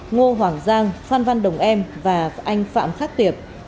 ngô hoàng giang phan văn đồng em và anh phạm khắc tiệp